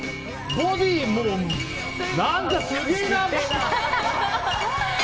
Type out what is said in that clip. ボディー、何かすげえな！